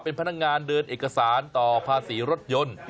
เป็นพนักงานเดินเอกสารต่อภาษีรถยนต์